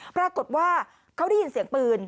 ปรากฏว่าเขาได้ยินเสียงปืน